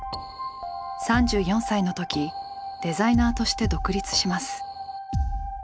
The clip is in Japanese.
３４歳の時デザイナーとして独立します。